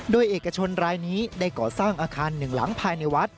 โดยเอกชนรายนี้ได้ก่อสร้างอาคารหนึ่งหลังภายในวัด